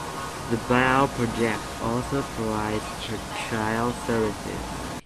The Bail Project also provides pretrial services.